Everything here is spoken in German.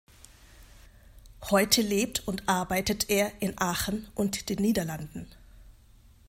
Heute lebt und arbeitet er in Aachen und den Niederlanden.